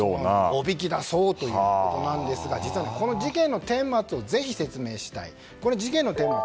おびき出そうということなんですが実はこの事件の顛末をぜひ説明したい。